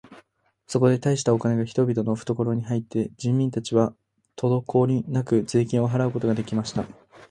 そこで大したお金が人々のふところに入って、人民たちはとどこおりなく税金を払うことが出来ました。